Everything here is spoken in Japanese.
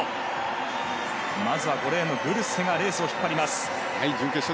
まずは５レーンのグルセがレースを引っ張ります。